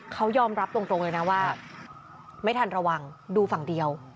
เขายอมรับตรงเลยนะว่าไม่ทันระวังดูฝั่งเดียว